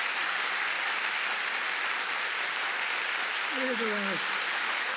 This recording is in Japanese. ありがとうございます。